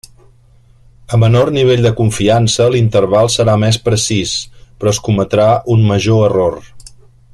A menor nivell de confiança l'interval serà més precís, però es cometrà un major error.